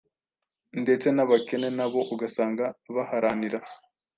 ndetse n’abakene nabo ugasanga baharanira